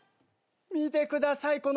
見てください。